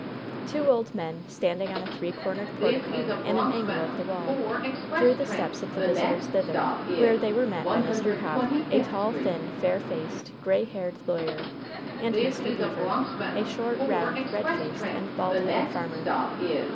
Two old men, standing on a three cornered portico in an angle of the wall, drew the steps of the visitors thither, where they were met by Mr. Copp, a tall, thin, fair faced, gray haired lawyer, and Mr. Beever, a short, round, red faced and bald headed farmer.